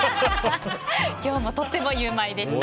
今日もとてもゆウマいでした。